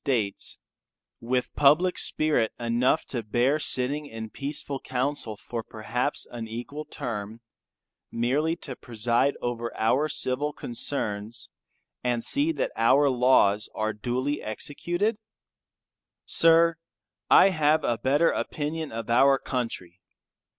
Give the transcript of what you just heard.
States, with public spirit enough to bear sitting in peaceful Council for perhaps an equal term, merely to preside over our civil concerns, and see that our laws are duly executed. Sir, I have a better opinion of our Country.